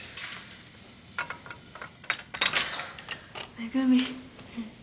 めぐみ。